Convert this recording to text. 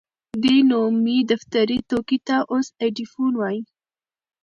دې نوي دفتري توکي ته اوس ايډيفون وايي.